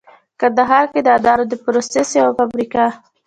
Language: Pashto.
کندهار کې د انارو د پروسس یوه فابریکه